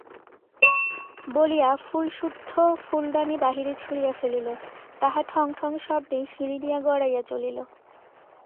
বলিয়া ফুলসুদ্ধ ফুলদানি বাহিরে ছুঁড়িয়া ফেলিল, তাহা ঠংঠং শব্দে সিঁড়ি দিয়া গড়াইয়া চলিল।